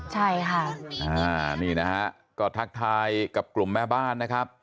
ช่วงนี้ก็ทักทายกับกลุ่มแม่บ้าน